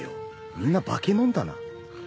みんな化け物だな。